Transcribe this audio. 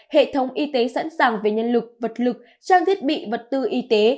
hệ thống y tế sẵn sàng về nhân lực vật lực trang thiết bị vật tư y tế